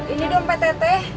ini dompet teteh